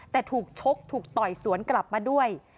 แต่ถูกชกถูกต่อยสวนกลับมาด้วย